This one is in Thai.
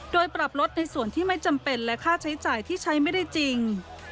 โดยปรับลดในส่วนที่ไม่จำเป็นและค่าใช้จ่ายที่ใช้ไม่ได้จริง